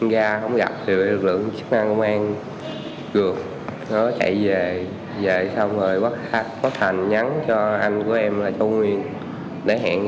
gia không gặp thì lực lượng chức năng công an cược nó chạy về về xong rồi quác thành nhắn cho anh của em là châu nguyên để hẹn ra